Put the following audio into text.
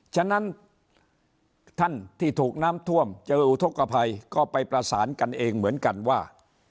ฉะนั้นท่านที่ถูกน้ำท่วมเจออุทธกภัยก็ไปประสานกันเองเหมือนกันว่า